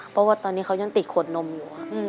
เพราะว่าตอนนี้เขายังติดขวดนมอยู่